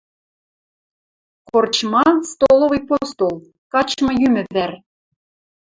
Корчма – столовый постол, качмы-йӱмӹ вӓр.